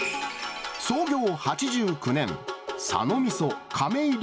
創業８９年、佐野みそ亀戸